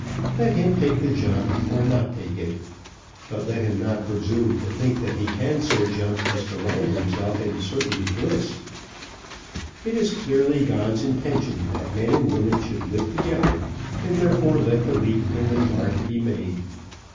Let him take the jump or not take it, but let him not presume to think that he can so jump as to land himself in certain bliss. It is clearly God's intention that men and women should live together, and therefore let the leap in the dark be made.